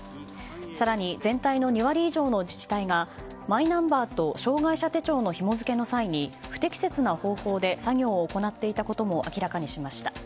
更に、全体の２割以上の自治体がマイナンバーと障害者手帳のひも付けの際に不適切な方法で作業を行っていたことも明らかにしました。